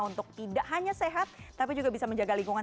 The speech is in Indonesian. untuk tidak hanya sehat tapi juga bisa menjaga lingkungan